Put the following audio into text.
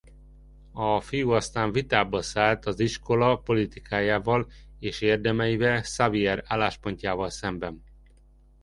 A fiú aztán vitába szállt az iskola politikájával és érdemeivel Xavier álláspontjával szemben.